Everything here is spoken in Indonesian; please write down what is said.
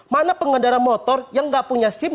mana pengendara motor yang nggak punya sip